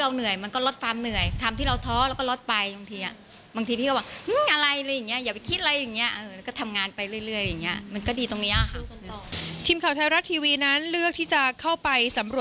เมื่อก่อนนี่ก็รู้จักกันรักกันรักภัยกล้องเกลียว